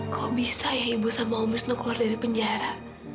kok bisa ibu dan um wisnu keluar dari penjara